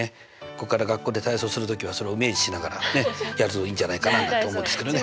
ここから学校で体操する時はそれをイメージしながらねやるといいんじゃないかななんて思うんですけどね。